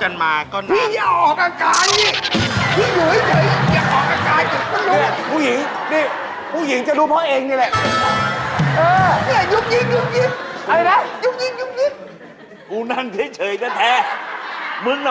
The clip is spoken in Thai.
อย่าไปอย่างนั้นติดควบกันล่ะ